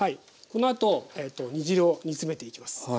このあと煮汁を煮詰めていきます。